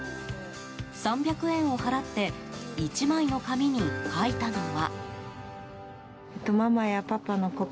３００円を払って１枚の紙に書いたのは。